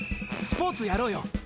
スポーツやろうよ。